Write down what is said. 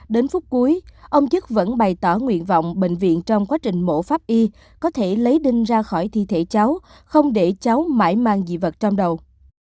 đến phút cuối ông chức vẫn bày tỏ nguyện vọng bệnh viện trong quá trình mổ pháp y có thể lấy đinh ra khỏi thi thể cháu không để cháu mãi mang dị vật trong đầu